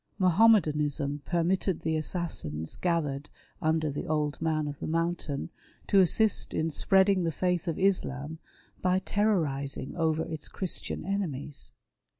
Mahommedanism permitted the assassins gathered under the " old man of the mountain," to assist in spreading the faith of Islam by terrorising over its Christian enemies.